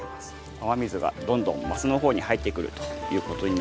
雨水がどんどんますの方に入ってくるという事になってますが。